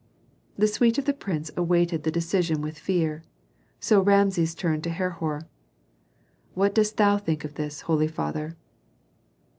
The suite of the prince awaited the decision with fear; so Rameses turned to Herhor, "What dost thou think of this, holy father?"